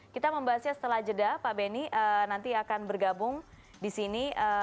kita membahasnya setelah jeda pak benny nanti akan bergabung di sini